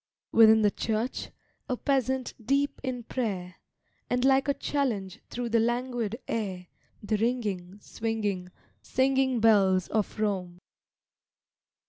Within the church, a peasant deep in prayer; And like a challenge through the languid air The ringing, swinging, singing bells of Rome.